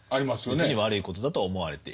別に悪いことだとは思われていない。